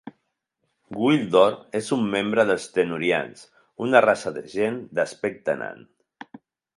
Gwildor és un membre dels Tenurians, una raça de gent d'aspecte nan.